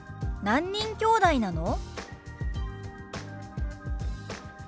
「何人きょうだいなの？」。